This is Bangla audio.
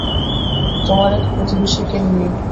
তোমার এক প্রতিবেশীকে নিয়ে।